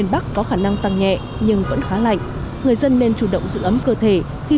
hẹn gặp lại các bạn trong những video tiếp theo